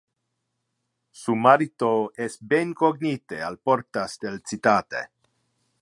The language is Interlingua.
Su marito es ben cognite al portas del citate.